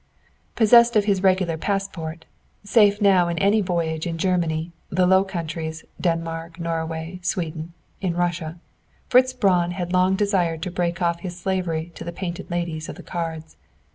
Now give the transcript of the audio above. Possessed of his regular passport, safe now in any voyage in Germany, the Low Countries, Denmark, Norway, Sweden, in Russia, Fritz Braun had long desired to break off his slavery to the "painted ladies" of the cards.